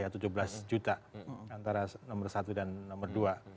tujuh belas juta antara nomor satu dan nomor dua